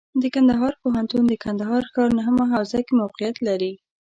د کندهار پوهنتون د کندهار ښار نهمه حوزه کې موقعیت لري.